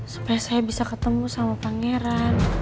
supaya saya bisa ketemu sama pangeran